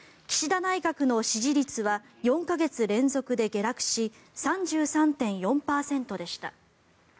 岸田内閣の支持率は４か月連続で下落し３３．４％でした。